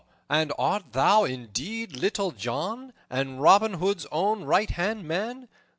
And art thou indeed Little John, and Robin Hood's own right hand man?